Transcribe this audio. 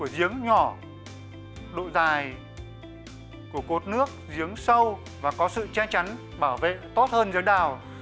giếng nhỏ độ dài của cột nước giếng sâu và có sự che chắn bảo vệ tốt hơn dưới đào